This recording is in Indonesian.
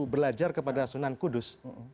belajar kepada sunan kudus